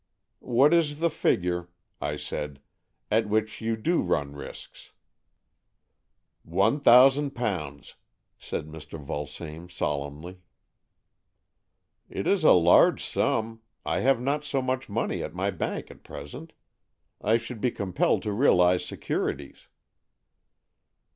''What is the figure," I said, "at which you do run risks? " 172 AN EXCHANGE OF SOULS ''One thousand pounds," said Mr. Vul same solemnly. " It is a large sum. I have not so much' money at my bank at present. I should be compelled to realize securities."